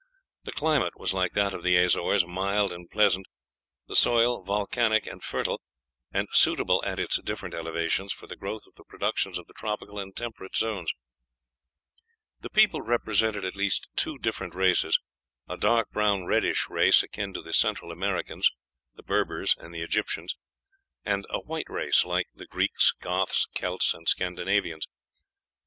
The climate was like that of the Azores, mild and pleasant; the soil volcanic and fertile, and suitable at its different elevations for the growth of the productions of the tropical and temperate zones. The people represented at least two different races: a dark brown reddish race, akin to the Central Americans, the Berbers and the Egyptians; and a white race, like the Greeks, Goths, Celts, and Scandinavians.